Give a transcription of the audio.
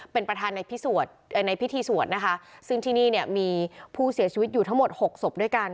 เป็นประธานในพิธีสวดนะคะซึ่งที่นี่เนี่ยมีผู้เสียชีวิตอยู่ทั้งหมดหกศพด้วยกัน